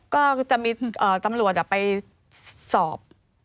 ก็จะมีตำรวจไปสอบ